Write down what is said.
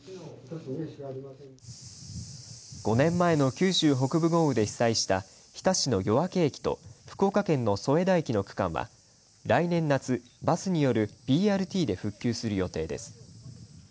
５年前の九州北部豪雨で被災した日田市の夜明駅と福岡県の添田駅の区間は来年夏、バスによるＢＲＴで復旧する予定です。